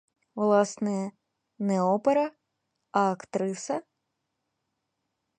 Власне, не опера, а актриса?